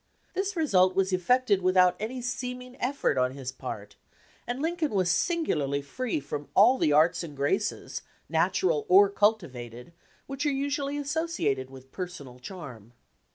This result was effected without any seeming effort on his part, and Lincoln was singularly free from all the arts and graces, natural or cultivated, which are usually associated with personal charm.